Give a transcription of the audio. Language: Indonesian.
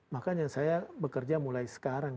makanya saya bekerja mulai sekarang